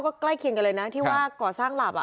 ก็ใกล้เคียงกันเลยนะที่ว่าก่อสร้างหลับ